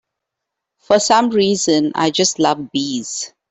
For some reason I just love bees.